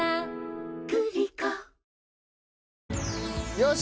よし！